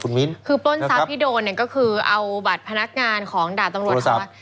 คือโปรดทรัพย์ที่โดนก็คือเอาบัตรพนักงานของด่าตำรวจ